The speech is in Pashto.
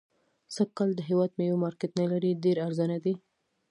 سږ کال د هيواد ميوي مارکيټ نلري .ډيري ارزانه دي